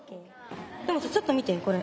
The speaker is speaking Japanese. でもさちょっと見てこれ。